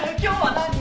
何？